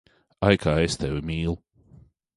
Ak, kā es Tevi mīlu!